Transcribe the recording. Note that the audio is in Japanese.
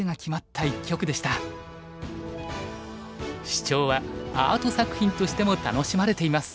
シチョウはアート作品としても楽しまれています。